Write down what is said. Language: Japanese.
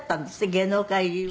芸能界入りは」